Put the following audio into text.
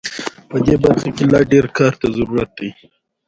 غوښې د افغانانو د معیشت سرچینه ده.